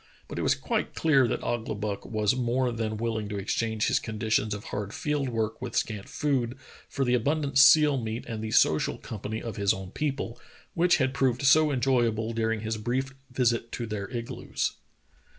But it was quite clear that Ouglibuck was more than willing to exchange his conditions of hard field work with scant food for the abundant seal meat and the social company of his own people, which had proved so enjoyable during his brief visit to their igloos.